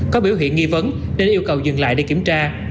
có biểu hiện nghi vấn nên yêu cầu dừng lại để kiểm tra